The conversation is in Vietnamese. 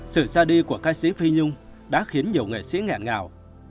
sự ra đi của ca sĩ phi nhung đã khiến nhiều nghệ sĩ nghẹn ngào